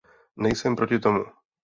Nejsem proti tomu.